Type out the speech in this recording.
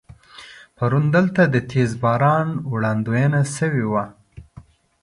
پرون دلته د تیز باران وړاندوينه شوې وه.